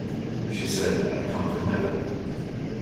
She said: "I come from Heaven".